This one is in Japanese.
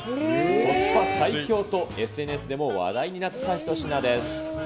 コスパ最強と、ＳＮＳでも話題になったひと品です。